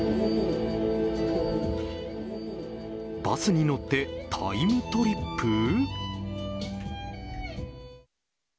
バスに乗ってタイムトリップ。